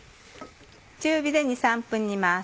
中火で２３分煮ます。